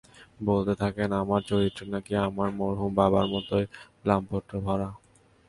বলতে থাকেন আমার চরিত্র নাকি আমার মরহুম বাবার মতোই লাম্পট্যে ভরা।